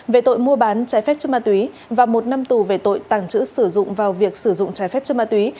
về tội mua bán trái phép chất ma túy và một năm tù về tội tàng trữ sử dụng vào việc sử dụng trái phép chất ma túy